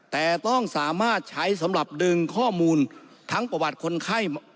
แต่ต้องสามารถใช้สำหรับดึงข้อมูลทั้งประวัติคนไข้